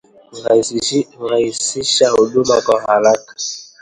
Hurahisisha huduma kwa haraka